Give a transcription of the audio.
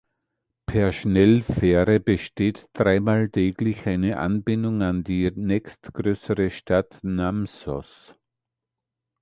Per Schnellfähre besteht dreimal täglich eine Anbindung an die nächstgrößere Stadt Namsos.